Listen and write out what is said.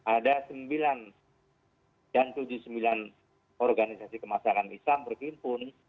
ada sembilan dan tujuh puluh sembilan organisasi kemasyakan islam berkimpun